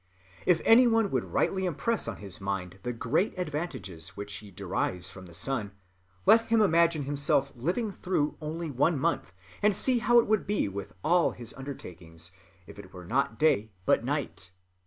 If any one would rightly impress on his mind the great advantages which he derives from the sun, let him imagine himself living through only one month, and see how it would be with all his undertakings, if it were not day but night.